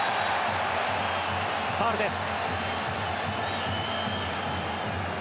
ファウルです。